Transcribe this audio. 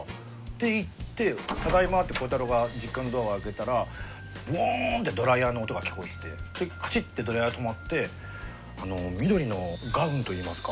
で行って「ただいま」って孝太郎が実家のドア開けたらブオンってドライヤーの音が聞こえててカチッてドライヤーが止まって緑のガウンといいますか。